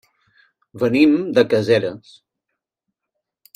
Venim de Caseres.